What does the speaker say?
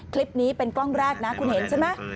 คลิปนี้เป็นกล้องแรกนะคุณเห็นใช่ไหม